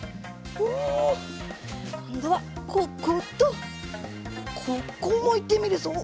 おこんどはこことここもいってみるぞ。